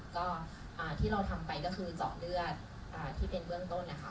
ก็ที่เราทำไปก็คือเจาะเลือดที่เป็นเบื้องต้นนะคะ